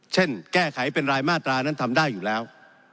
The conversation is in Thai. เช่นแก้ไขเป็นรายมาตรานั้นทำได้อยู่แล้ว